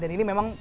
dan ini memang